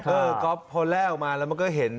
ก๊อฟพอแร่ออกมาแล้วมันก็เห็น